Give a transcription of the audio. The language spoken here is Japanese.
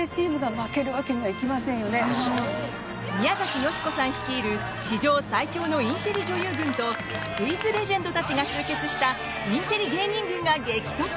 宮崎美子さん率いる史上最強のインテリ女優軍とクイズレジェンドたちが集結したインテリ芸人軍が激突！